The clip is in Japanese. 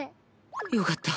よかった。